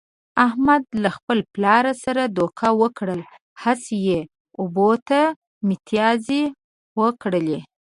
احمد له خپل پلار سره دوکه وکړه، هسې یې اوبو ته متیازې و کړلې.